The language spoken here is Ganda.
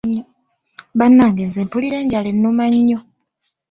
Bannange nze mpulira enjala ennuma nnyo.